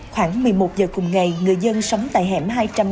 khoảng một mươi một giờ cùng ngày người dân sống tại hẻm hai trăm năm mươi